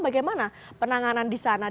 bagaimana penanganan di sana